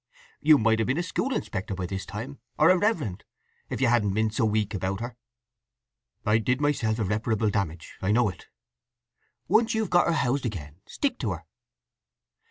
You might have been a school inspector by this time, or a reverend, if you hadn't been so weak about her." "I did myself irreparable damage—I know it." "Once you've got her housed again, stick to her."